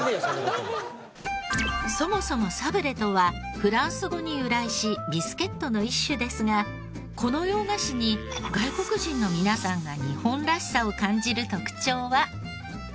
そもそもサブレーとはフランス語に由来しビスケットの一種ですがこの洋菓子に外国人の皆さんが。